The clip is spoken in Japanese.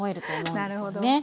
なるほど。